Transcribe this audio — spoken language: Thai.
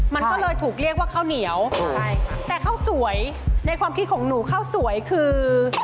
มันก็เลยถูกเรียกว่าข้าวเหนียวใช่แต่ข้าวสวยในความคิดของหนูข้าวสวยคือ